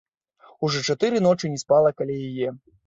Ужо чатыры ночы не спала каля яе.